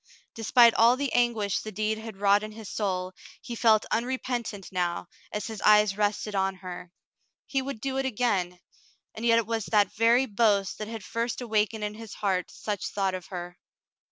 Despite all the anguish the deed had wrought in his soul, he felt unrepentant now, as his eyes rested on her. He would do it again, and yet it was that very boast that had first awakened in his heart such thought of her.